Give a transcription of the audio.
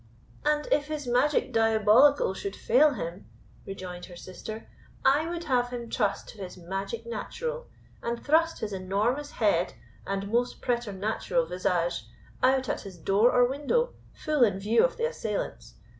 "And, if his magic diabolical should fail him," rejoined her sister, "I would have him trust to his magic natural, and thrust his enormous head, and most preternatural visage, out at his door or window, full in view of the assailants.